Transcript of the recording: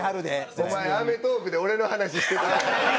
「お前『アメトーーク』で俺の話してたな」。